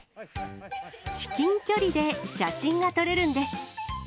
至近距離で写真が撮れるんです。